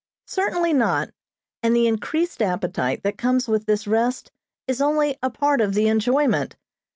Certainly not, and the increased appetite that comes with this rest is only a part of the enjoyment.